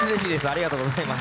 ありがとうございます。